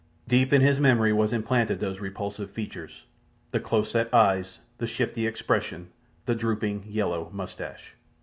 Deep in his memory was implanted those repulsive features—the close set eyes, the shifty expression, the drooping yellow moustache.